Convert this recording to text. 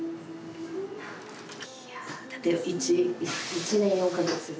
１年４か月？